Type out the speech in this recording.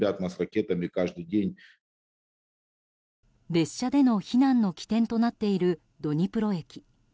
列車での避難の起点となっているドニプロ駅。